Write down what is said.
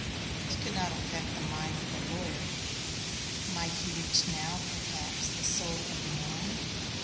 He could not affect the mind of the lawyer; might he reach now, perhaps, the soul of the man?